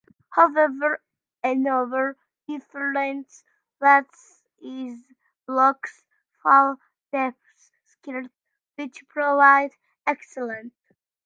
However another difference was its block's full-depth skirt which provided excellent bottom-end strength.